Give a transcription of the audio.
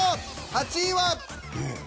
８位は？